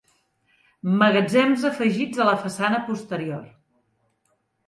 Magatzems afegits a la façana posterior.